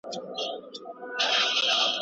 که موضوع نوي وي نو هر څوک یې خوښوي.